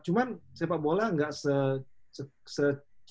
tapi sepak bola gak se